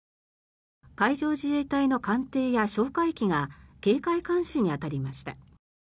海上自衛隊の艦艇や哨戒機が警戒監視に当たりました。